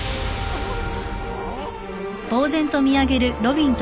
あっ。